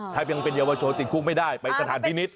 ถ้ายังเป็นเยาวชนติดคุกไม่ได้ไปสถานพินิษฐ